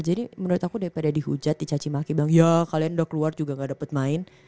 jadi menurut aku daripada dihujat dicacimaki bilang ya kalian udah keluar juga gak dapet main